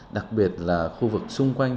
đặc biệt là khu vực xung quanh